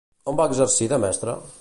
On va exercir de mestra?